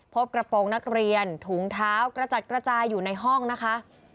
พบกระโปรงนักเรียนถุงเท้ากระจัดกระจายอยู่ในห้องนะคะ